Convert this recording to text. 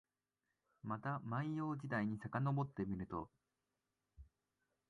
また万葉時代にさかのぼってみると、